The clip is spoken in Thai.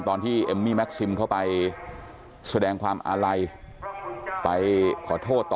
เอมมี่แม็กซิมเข้าไปแสดงความอาลัยไปขอโทษต่อ